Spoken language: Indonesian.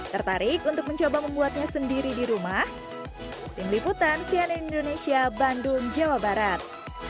tertarik untuk mencoba membuatnya sendiri di rumah tim liputan cnn indonesia bandung jawa barat